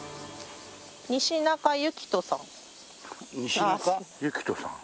西中千人さん。